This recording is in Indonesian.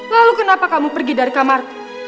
lalu kenapa kamu pergi dari kamar